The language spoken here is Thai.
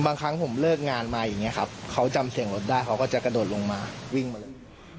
บางครั้งผมเลิกงานมาอย่างนี้ครับเขาจำเสียงรถได้เขาก็จะกระโดดลงมาวิ่งมาเลย